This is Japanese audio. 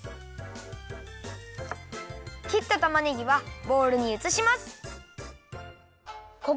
きったたまねぎはボウルにうつします！